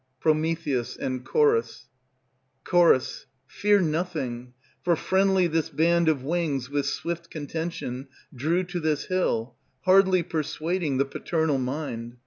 PROMETHEUS and CHORUS. Ch. Fear nothing; for friendly this band Of wings with swift contention Drew to this hill, hardly Persuading the paternal mind.